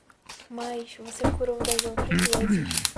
Mas, você curou das outras vezes.